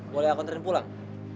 boleh aku nerin pulang